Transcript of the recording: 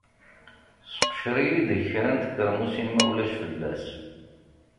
Seqcer-iyi-d kra n tkeṛmusin ma ulac fell-as.